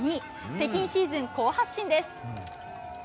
北京シーズン好発進です。